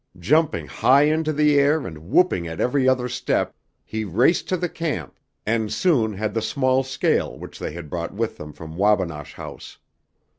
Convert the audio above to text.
Jumping high into the air and whooping at every other step he raced to the camp and soon had the small scale which they had brought with them from Wabinosh House.